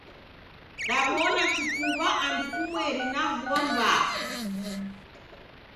Daw'ona chukuw'a andu kumweri na vua mbaa.